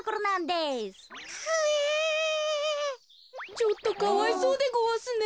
ちょっとかわいそうでごわすね。